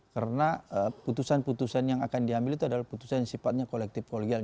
karena putusan putusan yang akan diambil itu adalah putusan sifatnya kolektif kolegial